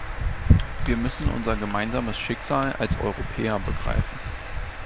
Wir müssen unser gemeinsames Schicksal als Europäer begreifen.